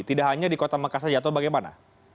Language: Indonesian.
tidak hanya di kota mekah saja atau bagaimana